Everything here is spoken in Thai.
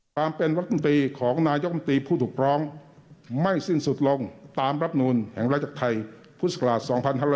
ความเป็นวัตติของนายกมติผู้ถูกร้องไม่สิ้นสุดลงตามรับนุนแห่งรัฐธัยพุทธศักราช๒๑๖๐